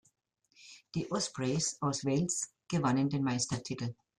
Die Ospreys aus Wales gewannen den Meistertitel.